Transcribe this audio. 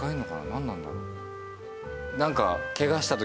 なんなんだろう？